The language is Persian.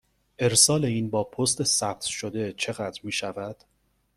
ارسال این با پست ثبت شده چقدر می شود؟